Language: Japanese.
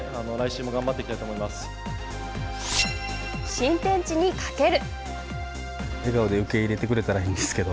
新天地に懸ける。